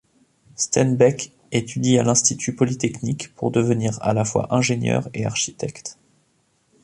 Stenbäck étudie à l'Institut polytechnique pour devenir à la fois ingénieur et architecte.